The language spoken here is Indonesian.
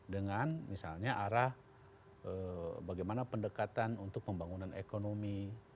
dengan misalnya arah bagaimana pendekatan untuk pembangunan ekonomi